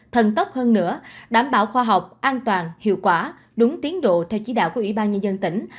thần tốc hơn nữa đảm bảo khoa học an toàn hiệu quả đúng tiến độ theo chỉ đạo của ủy ban nhân dân tỉnh